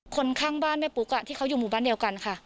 คนข้างบ้านแม่ปุ๊กที่เขาอยู่หมู่บ้านเดียวกันค่ะ